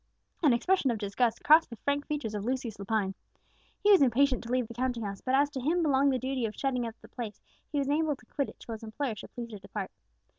An expression of disgust crossed the frank features of Lucius Lepine. He was impatient to leave the counting house; but as to him belonged the duty of shutting up the place, he was unable to quit it till his employer should please to depart.